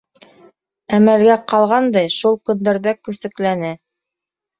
Әмәлгә ҡалғандай шул көндәрҙә көсөкләне.